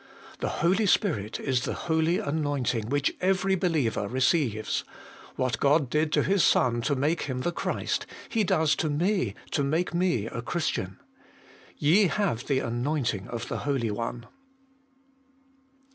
The Holy Spirit is the holy anointing which every believer receives : what God did to His Son to make Him the Christ, He does to me to make me a Christian. 'Ye have the anointing of the Holy One.'